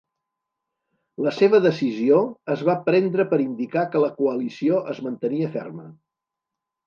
La seva decisió es va prendre per indicar que la coalició es mantenia ferma.